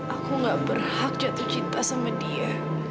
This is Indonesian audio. aku gak berhak jatuh cinta sama dia